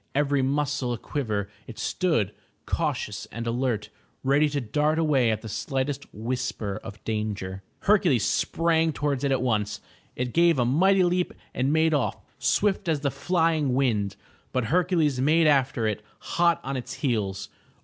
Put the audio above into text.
Every muscle a quiver it stood, cautious and alert, ready to dart away at the slightest whisper of danger. Hercules sprang towards it at once. It gave a mighty leap and made off, swift as the flying wind. But Hercules made after it, hot on its heels.